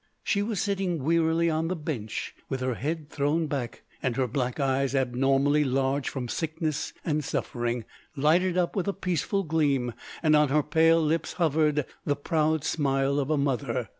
She was sitting wearily on the bench, with her head thrown back, and her black eyes, abnormally large from sickness and suffering, lighted up with a peaceful gleam, and on her pale lips hovered the proud smile of a mother.